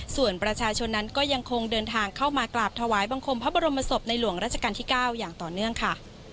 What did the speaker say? ส่วนประชาชนนั้นก็ยังคงเดินทางเข้ามากราบถวายบังคมพระบรมศพในหลวงราชการที่๙อย่างต่อเนื่องค่ะ